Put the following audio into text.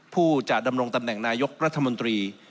ผู้จะดำรงตำแหน่งนายกรัฐมนตรี